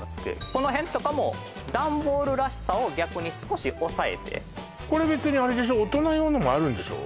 この辺とかもダンボールらしさを逆に少し抑えてこれ別にあれでしょ大人用のもあるんでしょ？